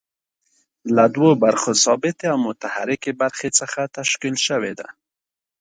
له دوو برخو ثابتې او متحرکې برخې څخه تشکیل شوې ده.